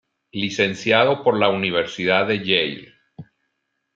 Licenciado por la Universidad de Yale.